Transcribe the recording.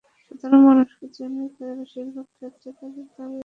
সাধারণ মানুষকে জিম্মি করে বেশির ভাগ ক্ষেত্রে তাদের দাবিও আদায় করছেন।